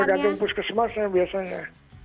tergantung puskesmasnya biasanya